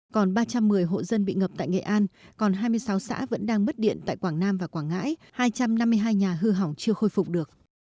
còn ba trăm một mươi hộ dân bị ngập tại nghệ an còn hai mươi sáu xã vẫn đang mất điện tại quảng nam và quảng ngãi hai trăm năm mươi hai nhà hư hỏng chưa khôi phục được